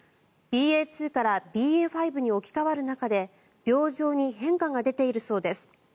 ＢＡ．２からＢＡ．５に置き換わる中で病状に変化が出ているそうです。